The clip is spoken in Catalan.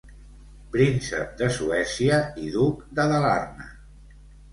"Príncep de Suècia" i "Duc de Dalarna".